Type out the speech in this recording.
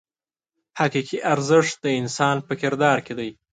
حقیقي ارزښت د انسان په کردار کې دی.